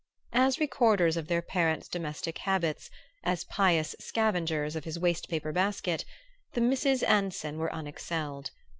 As recorders of their parent's domestic habits, as pious scavengers of his waste paper basket, the Misses Anson were unexcelled.